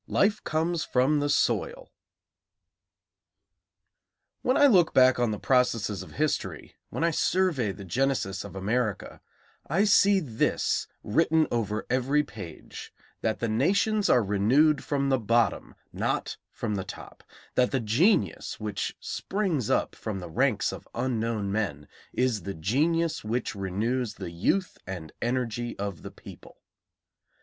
IV LIFE COMES FROM THE SOIL When I look back on the processes of history, when I survey the genesis of America, I see this written over every page: that the nations are renewed from the bottom, not from the top; that the genius which springs up from the ranks of unknown men is the genius which renews the youth and energy of the people.